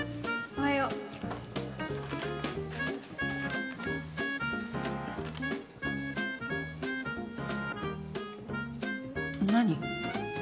おはよう。何？